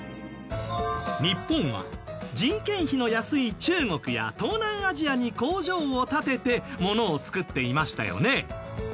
日本は人件費の安い中国や東南アジアに工場を建てて物を作っていましたよね。